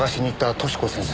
寿子先生！